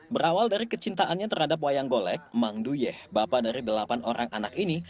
berawal dari kecintaannya terhadap wayang golek mang duyeh bapak dari delapan orang anak ini